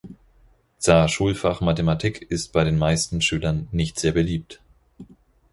Dsa Schulfach Mathematik ist bei den meisten Schülern nicht sehr beliebt.